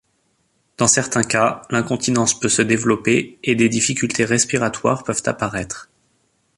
Dans certains cas, l'incontinence peut se développer et des difficultés respiratoires peuvent apparaître.